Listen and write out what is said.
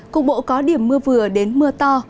cục bộ có điểm mưa vừa đến mưa to